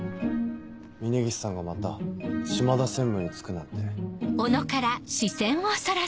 峰岸さんがまた島田専務につくなんて。